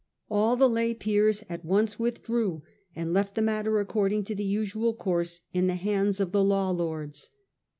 All the lay peers at once withdrew and left the matter according to the usual course in the hands of the law lords.